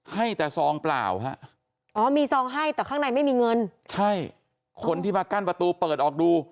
ให้แต่ซองเปล่าฮะอ๋อมีซองให้แต่ข้างในไม่มีเงินใช่คนที่มากั้นประตูเปิดออกดู